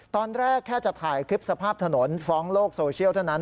ตอนแรกแค่จะถ่ายคลิปสภาพถนนฟ้องโลกโซเชียลเท่านั้น